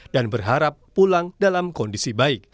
dan berharap pulang dalam kondisi baik